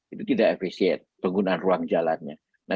itu tidak efisien penggunaan ruang jalannya